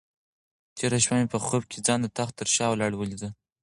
تېره شپه مې په خوب کې ځان د تخت تر شا ولاړه ولیده.